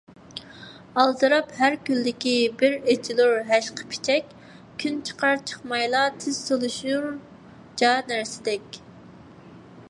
ئالدىراپ ھەركۈنلۈكى بىر ئېچىلۇر ھەشقىپىچەك، كۈن چىقار - چىقمايلا تېز سولىشۇر جا نەرسىدەك.